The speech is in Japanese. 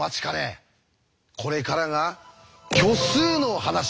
これからが虚数のお話です。